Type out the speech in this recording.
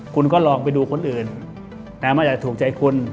คุณก็ลองไปดูคนอื่นแต่มันอาจจะถูกใจคุณ